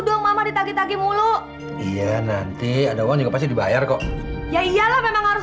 dong mama ditagi tagi mulu iya nanti ada uang juga pasti dibayar kok ya iyalah memang harus